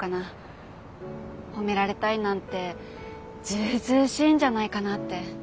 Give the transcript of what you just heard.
褒められたいなんてずうずうしいんじゃないかなって。